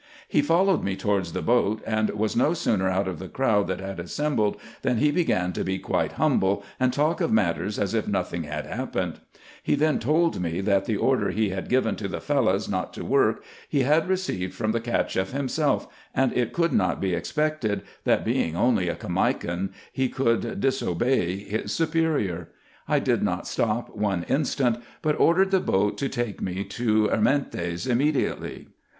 He followed me towards the boat, and was no sooner out of the crowd that had assembled, than he began to be quite humble, and talk of matters as if nothing had happened. He then told me, that the order he had given to the Fellahs not to work he had received from the Cacheff himself, and it covdd not be expected, that, being only a Caimakan, he could disobey his su 48 RESEARCHES AND OPERATIONS perior. I did not stop one instant, but ordered the boat to take me to Ermentes immediately.